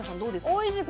おいしい。